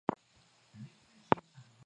hiyo Mfano mmoja ni nchi ya Afrika Kusini